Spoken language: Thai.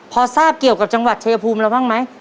พอทราบเกี่ยวกับจังหวัดชายภูมิเราบ้างไหม